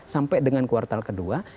sampai dengan kuartal kedua